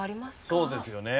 そうですよね。